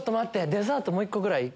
デザートもう１個ぐらい。